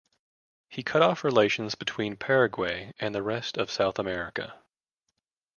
He cut off relations between Paraguay and the rest of South America.